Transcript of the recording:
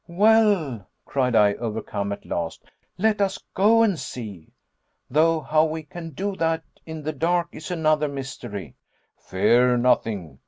"Well," cried I, overcome at last, "let us go and see. Though how we can do that in the dark is another mystery." "Fear nothing.